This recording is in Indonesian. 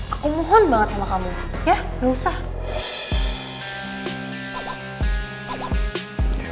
aku mohon banget sama kamu ya gak usah